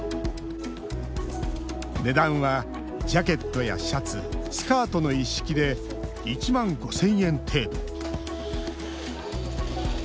値段はジャケットやシャツスカートの一式で１万５０００円程度。